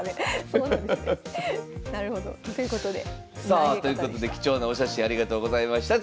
さあということで貴重なお写真ありがとうございました。